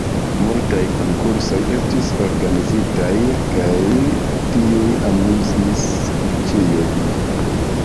Multaj konkursoj estis organizitaj, kaj tiuj amuzis ĉiujn.